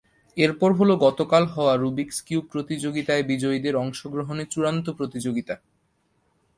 এরপর হলো গতকাল হওয়া রুবিকস কিউব প্রতিযোগিতায় বিজয়ীদের অংশগ্রহণে চূড়ান্ত প্রতিযোগিতা।